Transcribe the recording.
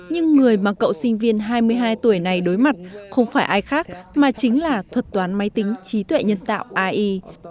nhưng người mà cậu sinh viên hai mươi hai tuổi này đối mặt không phải ai khác mà chính là thuật toán máy tính trí tuệ nhân tạo ai